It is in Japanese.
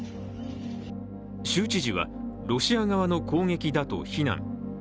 州知事は、ロシア側の攻撃だと非難。